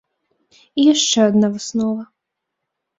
І яшчэ адна выснова.